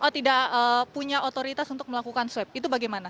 tidak punya otoritas untuk melakukan swab itu bagaimana